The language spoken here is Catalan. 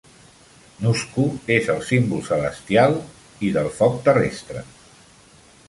Nusku és el símbol celestial i del foc terrestre.